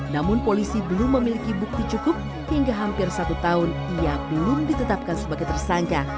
namun polisi belum memiliki bukti cukup hingga hampir satu tahun ia belum ditetapkan sebagai tersangka